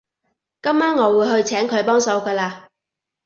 今晚我會去請佢幫手㗎喇